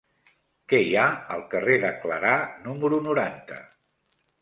Què hi ha al carrer de Clarà número noranta?